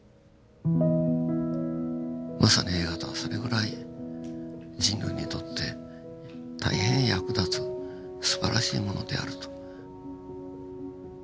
まさに映画とはそれぐらい人類にとって大変役立つすばらしいものであると。